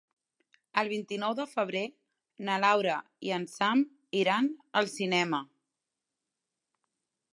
El vint-i-nou de febrer na Laura i en Sam iran al cinema.